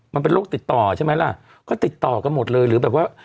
มันเป็นโรคติดต่อใช่ไหมล่ะก็ติดต่อกันหมดเลยหรือแบบว่า